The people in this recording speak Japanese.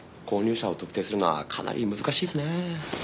購入者を特定するのはかなり難しいですね。